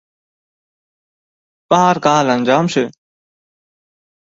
Bar galanjam şü.